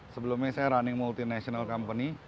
sebelumnya saya running multinational company